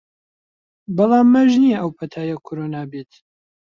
بەڵام مەرج نییە ئەو پەتایە کۆرۆنا بێت